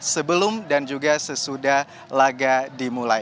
sebelum dan juga sesudah laga dimulai